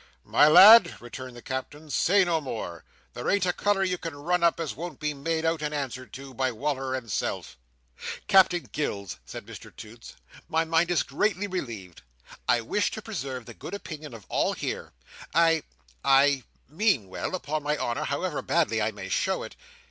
"My lad," returned the Captain, "say no more. There ain't a colour you can run up, as won't be made out, and answered to, by Wal"r and self." "Captain Gills," said Mr Toots, "my mind is greatly relieved. I wish to preserve the good opinion of all here. I—I—mean well, upon my honour, however badly I may show it.